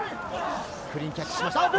クリーンキャッチしました。